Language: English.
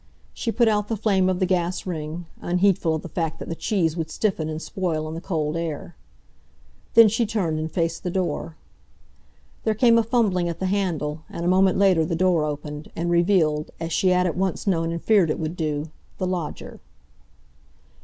She put out the flame of the gas ring, unheedful of the fact that the cheese would stiffen and spoil in the cold air. Then she turned and faced the door. There came a fumbling at the handle, and a moment later the door opened, and revealed, as she had at once known and feared it would do, the lodger.